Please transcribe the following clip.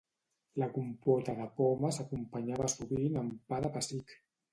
La compota de poma s'acompanyava sovint amb pa de pessic.